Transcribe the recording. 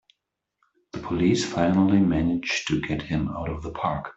The police finally manage to get him out of the park!